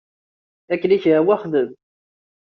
Akken i ak-yehwa xdem.